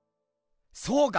そうか！